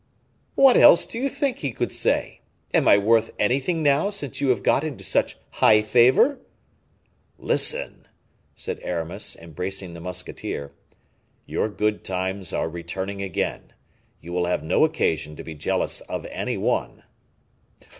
"What else do you think he could say? Am I worth anything now, since you have got into such high favor?" "Listen," said Aramis, embracing the musketeer; "your good times are returning again. You will have no occasion to be jealous of any one."